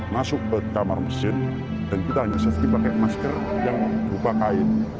masuk ke kamar mesin dan kita hanya pakai masker yang berupa kain